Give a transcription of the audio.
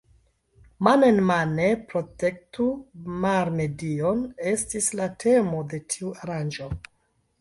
Man-en-mane protektu mar-medion estis la temo de tiu aranĝo.